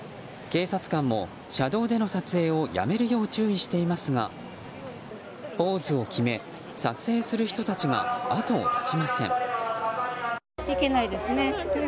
警察官も、車道での撮影をやめるよう注意していますがポーズを決め撮影する人たちが後を絶ちません。